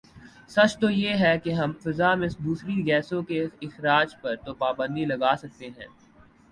سچ تو یہ ہے کہ ہم فضا میں دوسری گیسوں کے اخراج پر تو پابندی لگاسکتے ہیں